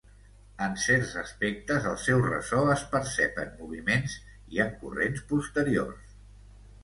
En certs aspectes el seu ressò es percep en moviments i en corrents posteriors.